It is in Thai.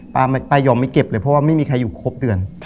ป้ายอมไม่เก็บเลยเพราะว่าไม่มีใครอยู่ครบเดือน